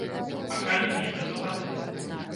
А калі не, што тады?